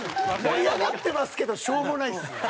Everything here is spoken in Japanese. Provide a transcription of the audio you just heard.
盛り上がってますけどしょうもないですよ。